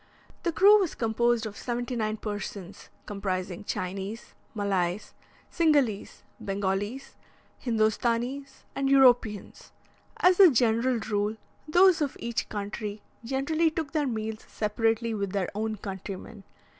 The crew was composed of seventy nine persons, comprising Chinese, Malays, Cingalese, Bengalese, Hindostanese, and Europeans. As a general rule, those of each country generally took their meals separately with their own countrymen.